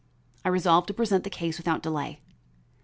I resolved to present the case without delay.